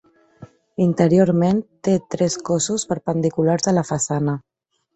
Interiorment té tres cossos perpendiculars a la façana.